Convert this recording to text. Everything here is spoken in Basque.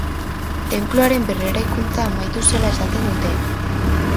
Tenpluaren berreraikuntza amaitu zela esaten dute.